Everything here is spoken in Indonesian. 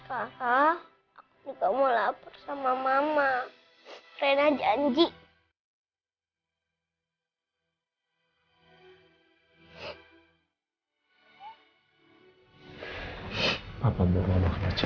terus kalau papa gak nemuin dadah